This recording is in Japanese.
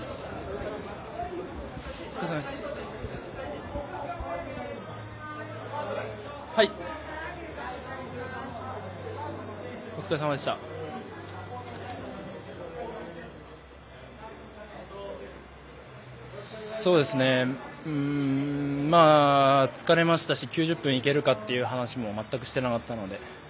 この気温、相当、今日は疲れましたし９０分いけるかという話も全くしてなかったので。